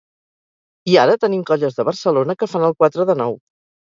I ara tenim colles de Barcelona que fan el quatre de nou.